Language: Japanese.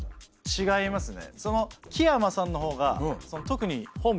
違いますね。